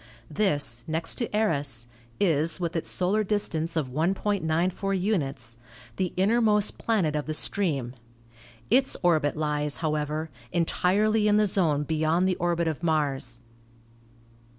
This, next to Eros, is, with its solar distance of 1.94 units, the innermost planet of the stream. Its orbit lies, how ever, entirely in the zone beyond the orbit of Mars.